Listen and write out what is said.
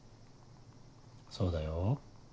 そうだよ。